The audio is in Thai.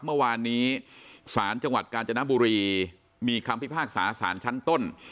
เมื่อวานนี้ศาลจังหวัดกาญจนบุรีมีคำพิพากษาสารชั้นต้น